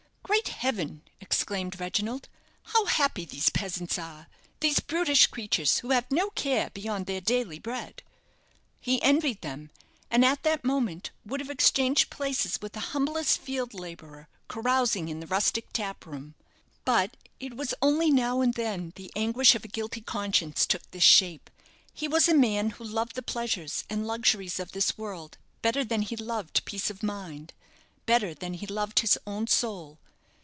"Great heaven!" exclaimed Reginald, "how happy these peasants are these brutish creatures who have no care beyond their daily bread!" He envied them; and at that moment would have exchanged places with the humblest field labourer carousing in the rustic tap room. But it was only now and then the anguish of a guilty conscience took this shape. He was a man who loved the pleasures and luxuries of this world better than he loved peace of mind; better than he loved his own soul.